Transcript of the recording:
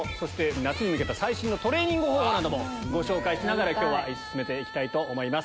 夏に向けた最新のトレーニング方法などご紹介しながら今日は進めて行きたいと思います。